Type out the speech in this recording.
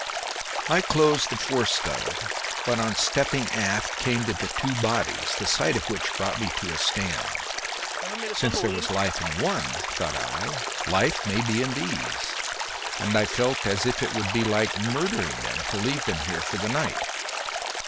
I closed the fore scuttle, but on stepping aft came to the two bodies, the sight of which brought me to a stand. Since there was life in one, thought I, life may be in these, and I felt as if it would be like murdering them to leave them here for the night.